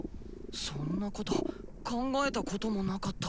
そんなこと考えたこともなかった。